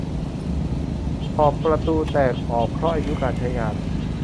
ขอบประตูแตกออกเพราะอายุการใช้งาน